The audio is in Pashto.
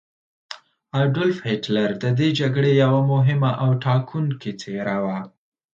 اډولف هیټلر د دې جګړې یوه مهمه او ټاکونکې څیره وه.